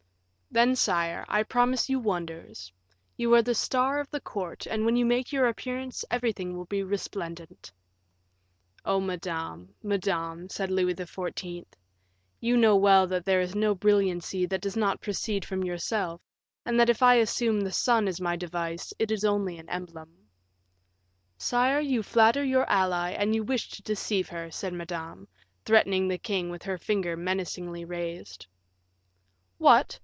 "Then, sire, I promise you wonders; you are the star of the court, and when you make your appearance, everything will be resplendent." "Oh, madame, madame," said Louis XIV., "you know well that there is no brilliancy that does not proceed from yourself, and that if I assume the sun as my device, it is only an emblem." "Sire, you flatter your ally, and you wish to deceive her," said Madame, threatening the king with her finger menacingly raised. "What!